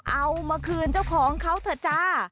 เอามาคืนเจ้าของเขาเถอะจ้า